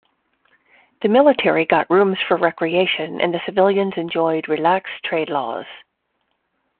The military got rooms for recreation and the civilians enjoyed relaxed trade laws.